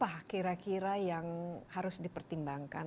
apa kira kira yang harus dipertimbangkan